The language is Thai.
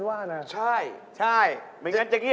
ถ้าให้เจ๊โชว์ขายก็ได้